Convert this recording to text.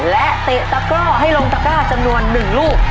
และเตะตะกร่อให้ลงตะกร้าจำนวน๑ลูก